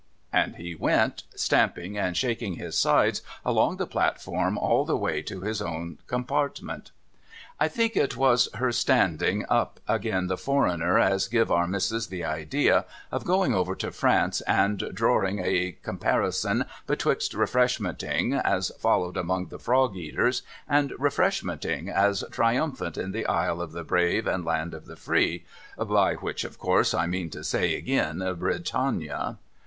' And so he went, stamping and shaking his sides, along the platform all the way to his own compartment. I think it was her standing up agin the Foreigner as giv' Our Missis the idea of going over to France, and droring a comparison betwixt Refreshmenting as followed among the frog eaters, and Refreshmenting as triumphant in the Isle of the Brave and Land of the Free (by which, of course, I mean to say agin, Britannia).